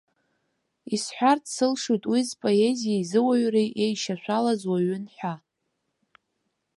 Исҳәарц сылшоит уи зпоезиеи зыуаҩреи еишьашәалаз уаҩын ҳәа.